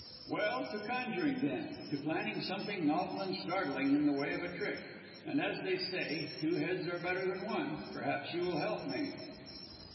"Well, to conjuring then to planning something novel and startling in the way of a trick. And as they say, two heads are better than one, perhaps, you will help me."